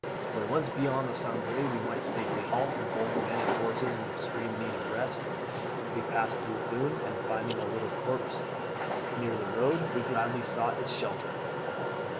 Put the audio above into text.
When once beyond the Sambre we might safely halt; and both men and horses were in extreme need of rest. We passed through Thuin; and finding a little copse near the road, we gladly sought its shelter.